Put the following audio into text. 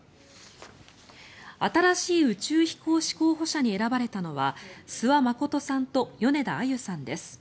新しい宇宙飛行士候補者に選ばれたのは諏訪理さんと米田あゆさんです。